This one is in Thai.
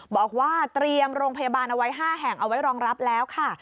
บอกว่าเตรียมโรงพยาบาลเอาไว้๕แห่งเอาไว้รองรับแล้วค่ะ